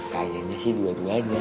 kayaknya sih dua duanya